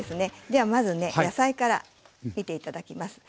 ではまずね野菜から見て頂きます。